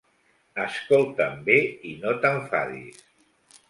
- Escolta-m bé i no t'enfadis